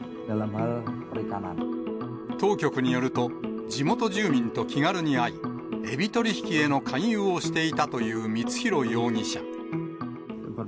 当局によると、地元住民と気軽に会い、エビ取り引きへの勧誘をしていたという光弘容疑者。